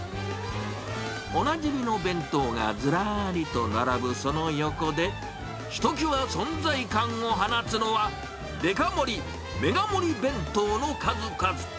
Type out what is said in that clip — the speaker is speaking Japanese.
おなじみの弁当がずらーりと並ぶその横で、ひときわ存在感を放つのは、でか盛り、メガ盛り弁当の数々。